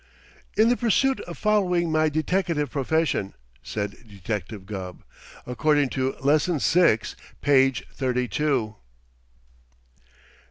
"In the pursuit of following my deteckative profession," said Detective Gubb, "according to Lesson Six, Page Thirty two."